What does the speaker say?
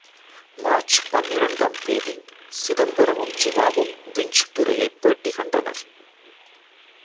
March பனிரண்டு ஆம் தேதி சிதம்பரமும் சிவாவும் விஞ்ச் துரையைப் பேட்டி கண்டனர்.